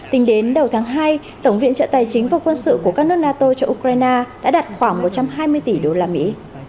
tính đến đầu tháng hai tổng viện trợ tài chính và quân sự của các nước nato cho ukraine đã đạt khoảng một trăm hai mươi tỷ đô la mỹ